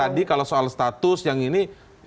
jadi kalau soal status yang gitu ya nanti